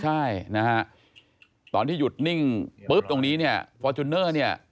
ใช่นะฮะตอนที่หยุดนิ่งปุ๊บตรงนี้เนี่ยฟอร์จูเนอร์เนี่ย